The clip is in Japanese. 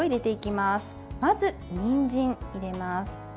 まず、にんじんを入れます。